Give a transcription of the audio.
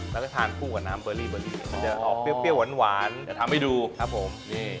แล้วก็ทานักดันด้วยกับเบอรี่เบอรี่เนี่ยมันจะออกเปรี้ยวหวานจะทำให้ดูครับผม